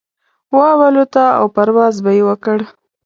وابه لوته او پرواز به يې وکړ.